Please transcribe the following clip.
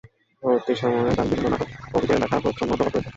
পরবর্তী সময়ে তাঁর বিভিন্ন নাটকে ওভিডের লেখার প্রচ্ছন্ন প্রভাব রয়ে যায়।